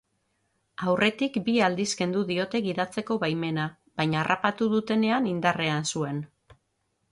Aurretik bi aldiz kendu diote gidatzeko baimena, baina harrapatu dutenean indarrean zuen.